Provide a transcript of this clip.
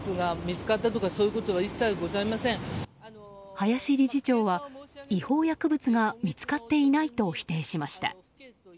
林理事長は違法薬物が見つかっていないと否定しました。